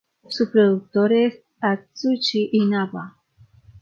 Su productor es Atsushi Inaba.